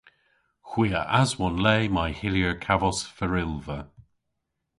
Hwi a aswon le may hyllir kavos ferylva.